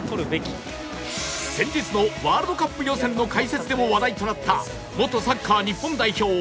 先日のワールドカップ予選の解説でも話題となった元サッカー日本代表